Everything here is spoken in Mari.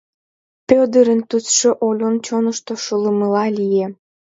Пӧдырын тӱсшӧ Олюн чонышто шулымыла лие...